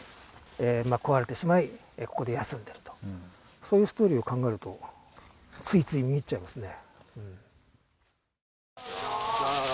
そういうストーリーを考えると、ついつい見入っちゃいますね。